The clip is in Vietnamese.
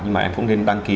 nhưng mà em cũng nên đăng ký